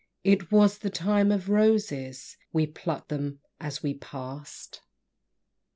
It was the Time of Roses, We plucked them as we pass'd!